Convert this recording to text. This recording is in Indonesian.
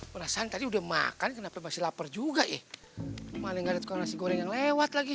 penasaran tadi udah makan kenapa masih lapar juga ya malah gak ada tukang nasi goreng yang lewat lagi